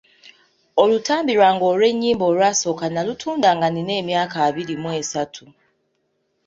Olutambi lwange olw'ennyimba olwasooka nalutunda nga nnina emyaka abiri mu esatu.